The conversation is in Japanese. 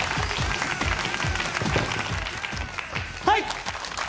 はい！